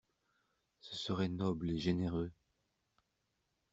Ce serait noble et généreux!